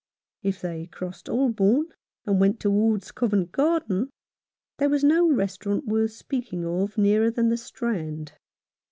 If they crossed Holborn and went towards Covent Garden, there was no restaurant worth speaking of nearer than the Strand.